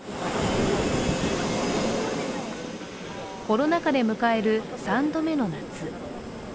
コロナ禍で迎える３度目の夏。